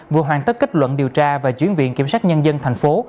vừa hoàn tất kết luận điều tra và chuyển viện kiểm sát nhân dân thành phố